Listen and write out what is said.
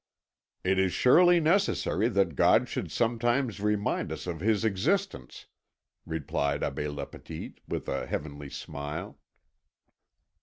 "It is surely necessary that God should sometimes remind us of his existence," replied Abbé Lapetite, with a heavenly smile.